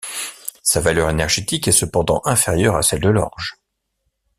Sa valeur énergétique est cependant inférieure à celle de l'orge.